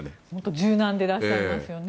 柔軟でいらっしゃいますよね。